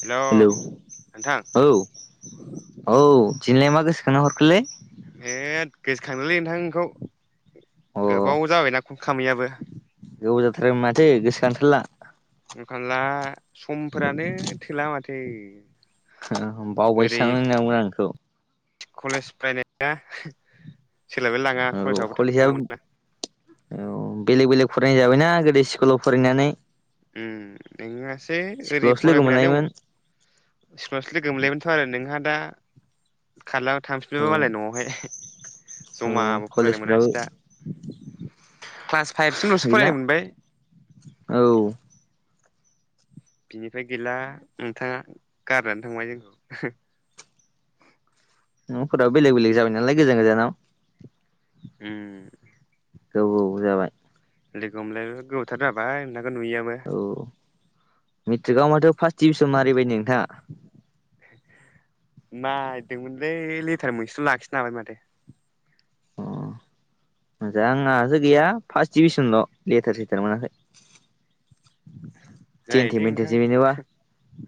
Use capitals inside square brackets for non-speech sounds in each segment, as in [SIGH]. Hello नोंथां औ औ दिनै लाय मा गोसोखां हरखोलै ए क गोसो खांनोलै नोंथांखौ अ गोबाव जाबायना कल खामैयाबो गोबाव जाथार माथो गोसोखांथारला ओंखारला समफोरानो थोला माथो ओ ओरै बावबायसोनांगोन आंखौ कलेज फरायनाया सोलायबाय लाङा औ कलेजावबो थांबाय कलेजआ थानांगौना औ बेलेग बेलेग फरायनाय जाबायना गोदो स्कुलाव फरायनानै उम नोसै ओरै स्कुलावसो लोगो फरायफैनानै मोनलायोमोन सिफासो लोगोमो थ आरो नोंहा दा खारला औ थांफिबालाय मालाय नआवहाय औ जमाबो फरायनो कलेजफ्राबो मोनासै दा क्लास फाइभसिमलसो गैला फरायनो मोनबाय औ बिनिफ्राय गैला नोंथाङा गारनानै थांबाय जों नफोराव बेलेग बेलेग जाबाय नालाय गोजान गोजानाव उम औ औ जाबाय लोगो हमलाय गोबावथार जाबाय नोंखौ नुयियाबो औ मेट्रिकआव माथो फार्स्ट डिभिसन मारिबाय नोंथाङा मारिदोंमोनलै लेटार मोनसेल लाखिनो हाबाय माथो अ आंहासो गैया फार्स्ट डिभिसनल लेथार सेथार मोनाखै जेनथेन जायोलै नोंथां मेथेसो बिनोबा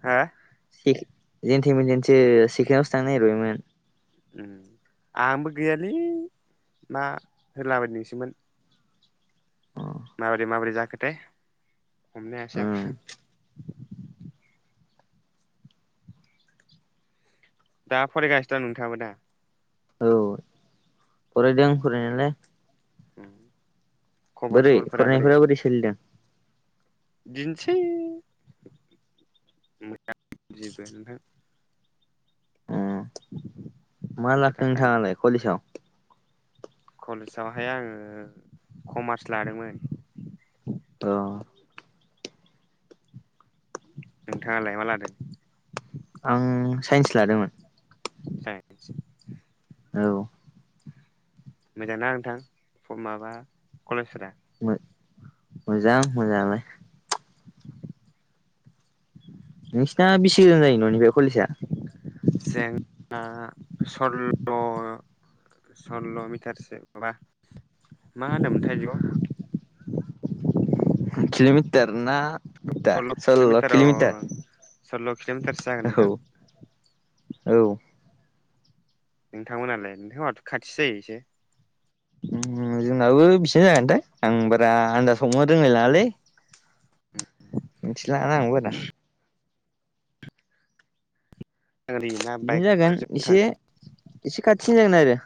हा सेक जेन थैमोन जेनसो सिकोनावसो थांनो नागिरबायमोन उ आंबो गैयालै मा होलाबाय नोंसोमोन अ माबोरै माबोरै जाखोथाय हमनो हायासै उम आं दा फरायगासिनो दं नोंथाङाबो दा औ फरायदों फरायनायालाय उम खबर बोरै सबरफोरा फरायनायफोरा बोरै सोलिदों? दिनोसै मोजां जबो नोंथां उ मा फैसा लाखै थाखानि नोंथाङालाय कलिसाव? कलेजावहाय आङो कमार्स लादोंमोन अ नोंथाङालाय मा लादों? आं साइन्स लादोंमोन साइन्स औ मोजां ना नोंथां क माबा कलेजफोरा? मो मोजां मोजाङालाय नोंसिना बेस गोजान जायो ननिफाय जोंना सल्ल सल्ल मिटार सो बा मा होनोमथाय इदिखौ किलोमिटार ना मिटार सल्ल किल मिटार अ अ किल'मिटार औ सल्ल किल मिटारसो जागोन नोंथां औ औ नोंथांमोनालाय नोंथांहाथ खाथिसो जायो इसे उ जोंनाबो बिसिनो जागोनथां आं बारा आनदास हमनो रोंलायलाङालै मिथिला ना आं बारा गारि ना बिदिनो जागोन बाइकफोरजों थाङो एसे एसे खाथिनि जागोन आरो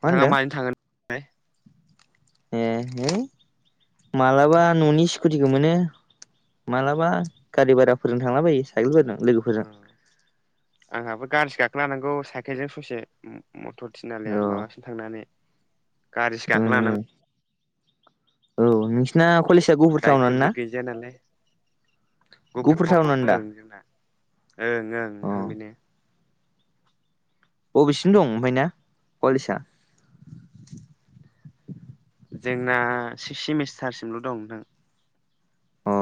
मा होनदों माजों थांगोन नाय ए है मालाबा ननि स्कुटिखौ मोनो मालाबा गारि भाराफोरजों थांला बायो साइकेलफोरजों लोगोफोरजों उम आंहाबो गारिसो गाखोलानांगौ साइकेलजों ससे उम मथर थिनालिया औ माबासिम थांनानै गारिसो ओम गाखोलांनांगौ औ नोंसिना कलेजआ गुफुर टाउनानो ना बाइकफोरबो गैजाया नालाय ग गुफुर टाउनानो ओं दा जोंना ओं ओं अ नोंथां बेनो बबेसिम दं ओमफफ्राय ना कलेजआ [INAUDIBLE] जोंना सिक्स सेमिस्टारसिमल दं नोंथां अ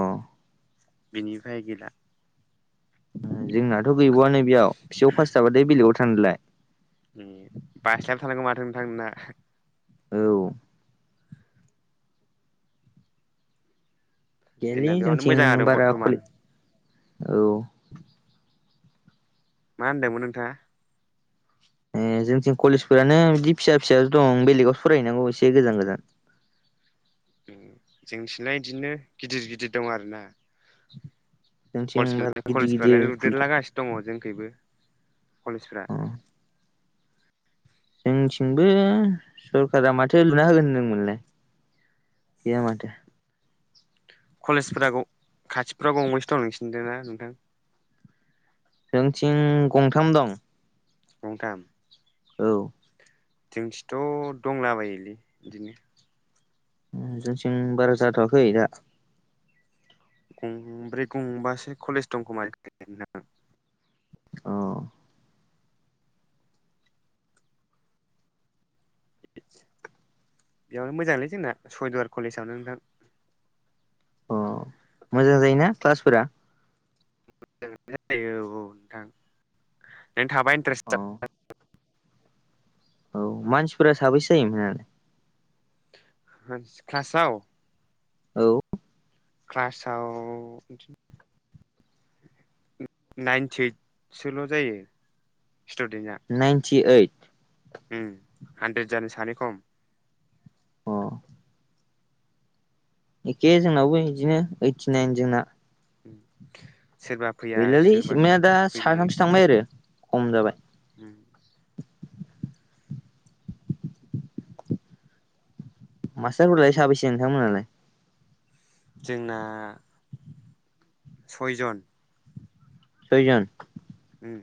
बिनिफ्राय गैला उ जोंनाथ गैबावआनो बेयाव फिय फास जाबाथाय बेलेगाव थांदोलाय उम बानस्लायबायथानांगौ माथो नोंथां नोंना औ गैलि जोंना बेयावनो मोजां जोंथिं आरो बारा बर्थ'मान खले औ मा होनदोंमोन नोंथाङा ए जोंथिं कलेजफोरानो बिदि फिसा फिसो दं बेलेगाव सरायहनांगौ एसे गोजान गोजान [INAUDIBLE] जोंथिना बिदिनो गिदिर गिदिर दं आरो ना जोंथिं केज बारा गिदिर कलेजफ्रालाय गिदिर खुलिथ' लुदेरलागासिनो दङ जोंखैबो कलेजफोरा जोंथिंबो सरखारारा माथो लुना होगोन होनदोंमोनलाय गैया माथो कलेजफोरा खाथिफोराव गंबैसो दं नोंसिनदों ना नोंथां जोंथिं गंथाम दं गंथाम औ जोंथिथ' दंलाबायोलै बिदिनो ओ जोंथिं बारा जाथ'वाखै दा। गंब्रै गंबासो कलेज दंखोमा [UNINTELLIGIBLE] अ। बेयावनो मोजांलै जोंना सयदुवार कलेजावनो नोंथां। अ मोजां जायोना क्लासफोरा? मोजां जायो औ नोंथां नों थाबा अ इन्टारेस्ट [UNINTELLIGIBLE] औ मानसिफोरा साबैसे जायो मोनालाय ख्लासाव? औ। क्लासाव [UNINTELLIGIBLE] नाइनटि ओइदसोल' जायो स्टुदेन्टआ। टि ओइड? ओं हानद्रेद जानो सानै खम। अ एखे जोंनावबो बिदिनो ओइटिनाइन जोंना। उम। गैलालै सिमा दा साथामसो थांबाय आरो खम जाबाय। उम। मास्टारफोरालाय साबैसे नोंथांमोननालाय? जोंना सयजन। सयजन। ओम।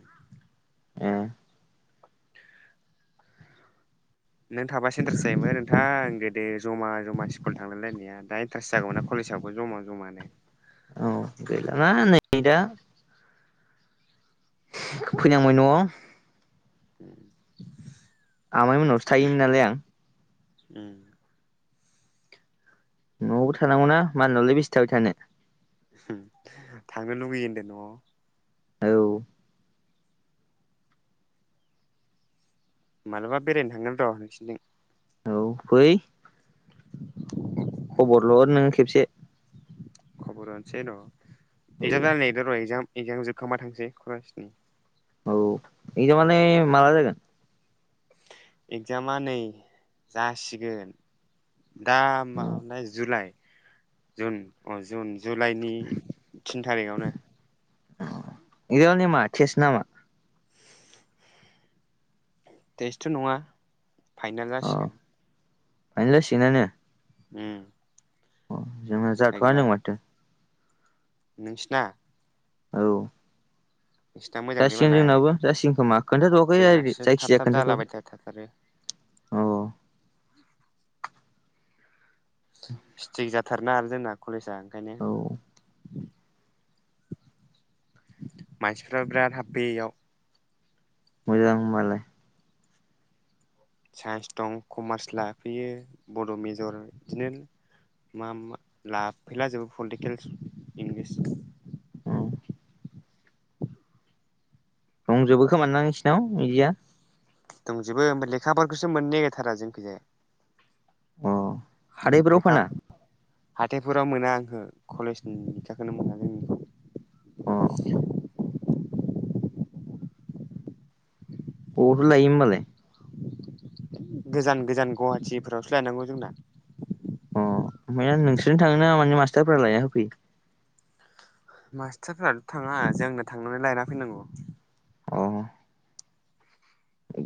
ए। नों थाबासो इन्टारेट जायोमोन नोंथां गोदो जमा जमा स्कुल थांलायलायनाया दा इन्टारेस्ट जागौमोनना कले लेसावबो जमा जमानो। औ गैलाना नै दा फैनांबाय न'आव। उम। आमाय मोननावसो थायोमोन नालाय आं। उम। न'आवबो थानांगौना मालायनावलाय बेसे थाबाय थानो? ओं थांनो लुगैयो होनदो न'आव। औ। मालाबा बेरायनो थांगोन र' नोंसिनिथिं। औ फै। [INAUDIBLE] खबरल' हर नों खेबसे। खबर हरसै र' औ एगजाम जानो नागिरदों र' एजाम, एगजाम जोबखांबा थांसै [UNINTELLIGIBLE] औ एगजामालाय माला जागोन? एगजामा नै जासिगोन। दा मानो औ ने जुलाइ जुन अ जुन जुलाइनि थिन थारिखावनो। एगजाम माने मा तेस्ता नामा? टेस्थथ' नङा फाइनाल जासिगोन। फाइनाल जासिगोनानो। ओम। अ जोंना जाथ'आ होनदों माथो। नोंसिना औ। नोंसिना मोजांलै जासिगोन मालाय जोंनाबो जासिगोन खोमा खोनथाथ'आखै आरोखि जोंनासो थाब जायखिजाया थाब खोन्थाथ'आखै। जालाबायथाथारो [INAUDIBLE] स्ट्रिक जाथारोना आरो जोंना कलेजआ ओंखायनो औ मानसिफ्रा बिराद हाबफैयो बेयाव मोजां होनबालाय साइन्स दं कमार्स लाफैयो बड' मेजर बिदिनो मा मा लाफैला जोबो पलिटिकेल [INAUDIBLE] औ रदंजोबो खोमा ना नोंसोरनाव बिदिया दंजोबो ओफ्राय लेखाफोरखौसो मोननो नागिरथारा जोंनिथिंजाय अ हाथायफोराव फाना हाथायफोराव मोना [INAUDIBLE] कलेजनि लेखाखौनो मोना जोंनि- औ अबावथो लायोमोन ओमबालाय गोजान गोजान गुवाहाटिफोरावसो लायनांगौ जोंना अ ओमफ्राय नोंसोरनो थाङोना माने मास्टारफोरा लायना होफैयो मास्टारफोरानो थाङा जोंनो थांनानै लायना फैनांगौ अ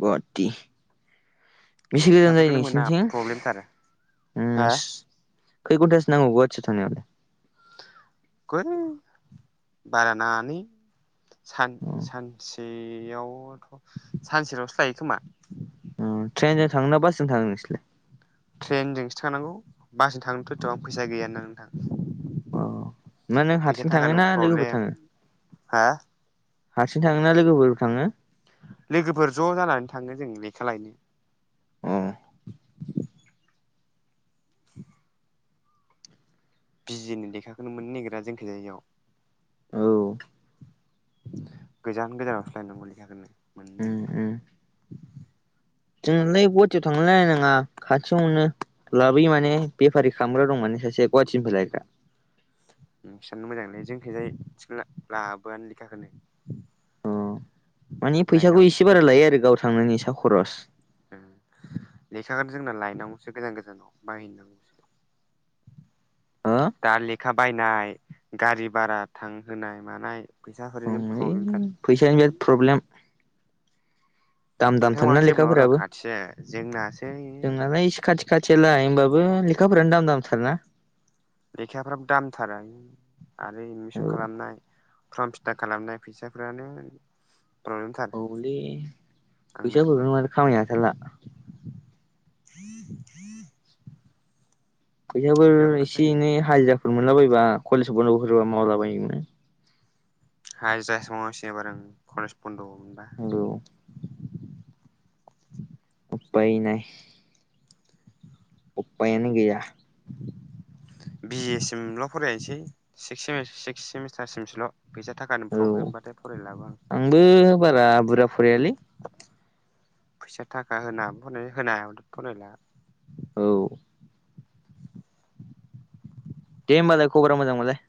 गुवाहाटि बेसे गोजान जायो लेखाफोरखौनो मोना नोंसिोरनिथिं प्रब्लेमथार हो खै घन्टासो नांगौ [INAUDIBLE] बारा नाङा [UNINTELLIGIBLE] अ सानसे बेयावथ' सानसेल'सो लायो खोमा ट्रेन जों थांङो ना बास जों थांङो नोनसोरलाय ट्रेनजोंसो थांनांगौ बासजों थांनोथ' एसेबां फैसा गैयाना नोंथां अ मा नों फैसा हारसिं थाङो थाखानिबो ना लोगोफोर प्रब्लेम थाङो हा हारसिं थाङो ना लोगोफोर थाङो लोगोफोर ज' जानानै थाङो जों लेखा लायनो अ [INAUDIBLE] बिजिनि लेखाखौनो मोननो नागिरा जोंखोजाय बेयाव औ गोजान गोजानावसो लायनांगौ [INAUDIBLE] [INAUDIBLE] जोंनालाय गुवाहाटियाव थांलायनाङा खाथियावनो मोनो लाबोयो माने बेफारि खालामग्रा दं माने सासे गुवाहाटिनिफ्राय लायग्रा नोंसोरनियानो मोजांलाय जोंनिथिंजाय लाबोआनो लेखाखौनो माने फैसाखौ लायनांगौसो इसे बारा लायो आरो गाव थांनायनि सा खरस लेखाखौ जोंना लायनांगौसो गोजान गोजानाव [INAUDIBLE] हो दा लेखा बायनाय गारि भारा थांहोनाय मानाय फैसा [INAUDIBLE] ओइ प्रब्लेमथार फैसानि बिराद प्रब्लेम दाम नोंथां दामथार ना मानाथ जेबो नङा र' लेखाफोराबो खाथिया जोंनासो जोंनालाय एसे खाथि खाथियालाय होमबाबो ओम लेखाफोरानो दाम दामथार ना लेखाफ्राबो दामथार आयु आरो औ एदमिसन खालामनाय फर्म फिथा खालामनाय फैसाफ्रानो प्रब्लेमथार औले आंना फैसाफोरखौनो माथो खामायनो हाथारला। [UNINTELLIGIBLE] फैसाफोर इमान एसे जायो एनै हाजिराफोर मोनला बायोबा कलेज बन्द'फोरबा मावलाबायोमोन। हाय जा [UNINTELLIGIBLE] कलेज बन्द' मोनबा। औ अयनाय। उफायानो गैया। बि ए सिमल' फरायसै सिक्स सेमे सिक्स सेमिस्टारसिमसोल'। फैसा थाखानि औ प्रब्लेमबाथाय फरायलाबो आं आंबो बारा बुरजा फरायालै। फैसा थाखा होनो हाबा फरायनाय होनो हायाबाथ' फरायला। औ। दे होमबा जोहा खबरा मोजां मोनलाय।